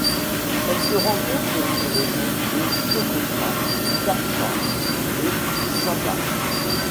Elle se rencontre sur les îles de Socotra, Darsah et Samhah.